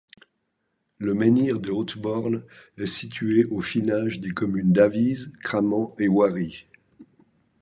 Le menhir de Haute-Borne est situé au finage des communes d'Avize, Cramant et Oiry.